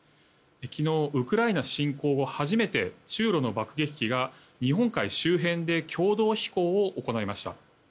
昨日、ウクライナ侵攻後初めて中露の爆撃機が日本海周辺で共同飛行を行いました。